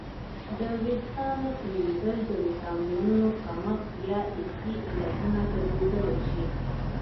د وېښتانو تویدل د ویټامینونو کمښت یا ارثي علتونه درلودلی شي